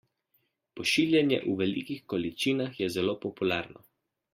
Pošiljanje v velikih količinah je zelo popularno.